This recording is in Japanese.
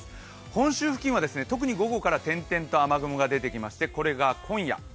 本州付近は特に午後から点々と雨雲が出てきましてこれが今夜。